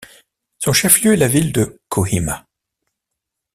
Son chef-lieu est la ville de Kohima.